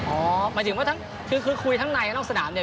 หมายถึงว่าทั้งคือคุยทั้งในนอกสนามเนี่ย